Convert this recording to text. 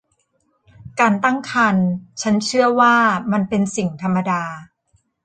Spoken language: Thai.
การตั้งครรภ์ฉันเชื่อว่ามันเป็นสิ่งธรรมดา